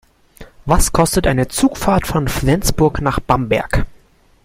Was kostet eine Zugfahrt von Flensburg nach Bamberg?